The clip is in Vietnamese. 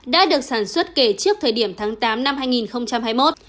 đã được sản xuất kể trước thời điểm tháng tám năm hai nghìn hai mươi một